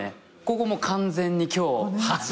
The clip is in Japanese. ここもう完全に今日。